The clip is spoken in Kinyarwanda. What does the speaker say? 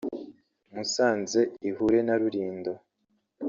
Musanze ihure na Rulindo